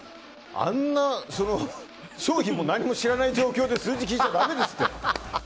あんな商品も何も知らない状況で数字聞いちゃだめですって！